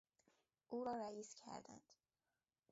او را رئیس کردند.